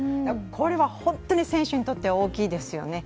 これは本当に選手にとっては大きいですよね。